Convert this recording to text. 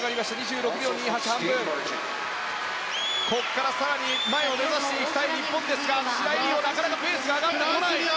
ここから更に前を目指したい日本ですが白井璃緒ペースが上がってこない。